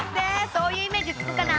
そういうイメージつくから！